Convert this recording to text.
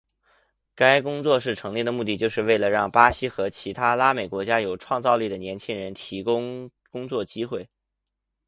该工作室成立的目的是为了让巴西和其他拉美国家的有创造力的年轻人提供工作机会。